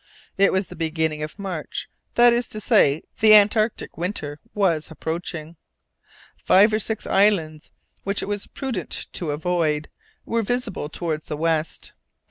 It was the beginning of March, that is to say, the antarctic winter was approaching. Five or six islands, which it was prudent to avoid, were visible towards the west.